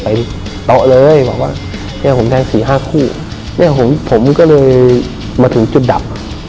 ไปต่อเลยบอกว่าเนี่ยผมแทง๔๕คู่เนี่ยผมก็เลยมาถึงจุดดับ